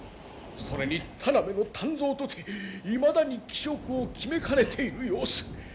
それに田辺の湛増とていまだに旗色を決めかねている様子。